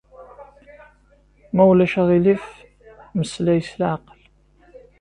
Ma ulac aɣilif, mmeslay s leɛqel.